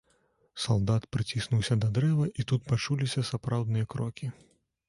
Салдат прыціснуўся да дрэва, і тут пачуліся сапраўдныя крокі.